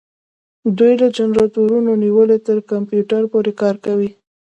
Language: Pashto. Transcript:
دوی له جنراتورونو نیولې تر کمپیوټر پورې کار کوي.